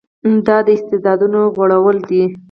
دا د استعدادونو غوړولو ده.